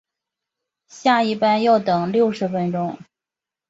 下一班要等六十分钟